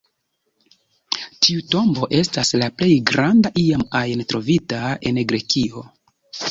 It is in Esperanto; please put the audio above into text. Tiu tombo estas la plej granda iam ajn trovita en Grekio.